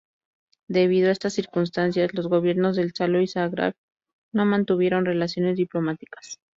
Debido a estas circunstancias, los gobiernos de Saló y Zagreb no mantuvieron relaciones diplomáticas.